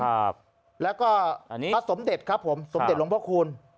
ครับแล้วก็อันนี้พระสมเด็จครับผมสมเด็จหลวงพ่อคูณ